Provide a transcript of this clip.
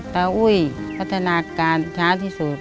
ตระอุ่ยพัฒนาการเท้าที่สุด